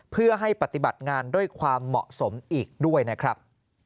เพื่อให้ปฏิบัติงานด้วยความเหมาะสมอีกด้วยนะครับ